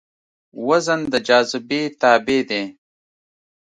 وزن د جاذبې تابع دی.